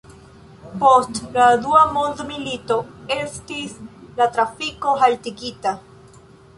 Post la Dua mondmilito estis la trafiko haltigita.